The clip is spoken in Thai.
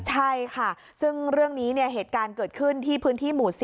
ใช่ค่ะซึ่งเรื่องนี้เหตุการณ์เกิดขึ้นที่พื้นที่หมู่๔